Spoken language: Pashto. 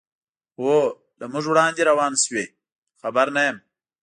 هو، له موږ وړاندې روان شوي، خبر نه یم.